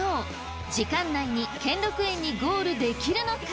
時間内に兼六園にゴールできるのか？